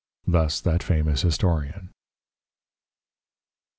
Thus that famous Historian. 2.